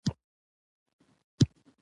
• د ملګرو سره د مجلس لپاره یوې چوکۍ ته کښېنه.